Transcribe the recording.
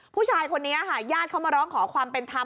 ผู้ชายคนนี้ค่ะญาติเขามาร้องขอความเป็นธรรม